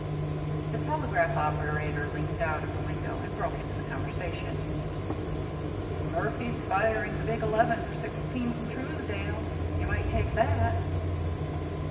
The telegraph operator leaned out of the window and broke into the conversation. "Murphy's firing the big eleven for sixteen from Truesdale. You might take that."